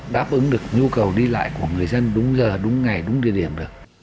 nếu mà xe cứ ồn tắc như thế này thì không đáp ứng được nhu cầu đi lại của người dân đúng giờ đúng ngày đúng địa điểm được